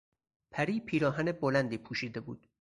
پری پیراهن بلندی پوشیده بود.